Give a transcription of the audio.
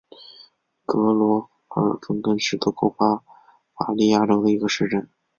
格罗尔芬根是德国巴伐利亚州的一个市镇。